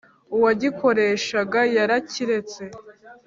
uwagikoreshaga yarakiretse.